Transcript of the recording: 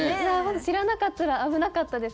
知らなかったら危なかったです。